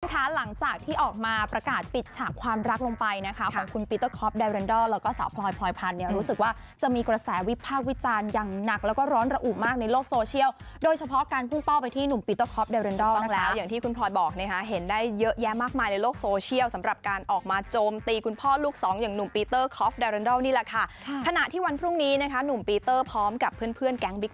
ค่ะหลังจากที่ออกมาประกาศปิดฉากความรักลงไปนะคะของคุณปีเตอร์คอฟไดเรนดอลแล้วก็สาวพลอยพลอยพันธุ์เนี่ยรู้สึกว่าจะมีกระแสวิบภาควิจารณ์อย่างหนักแล้วก็ร้อนระอุมากในโลกโซเชียลโดยเฉพาะการพุ่งป้อไปที่หนุ่มปีเตอร์คอฟไดเรนดอลต้องแล้วอย่างที่คุณพลอยบอกนะคะเห็นได้เยอะแยะมากมายในโลกโซเ